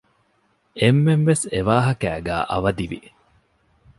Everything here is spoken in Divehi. އެންމެންވެސް އެވާހަކައިގައި އަވަދިވި